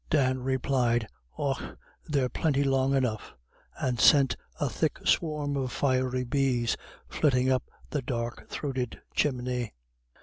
Dan replied, "Och, they're plinty long enough," and sent a thick swarm of fiery bees flitting up the dark throated chimney.